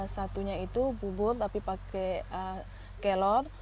satunya itu bubur tapi pakai kelor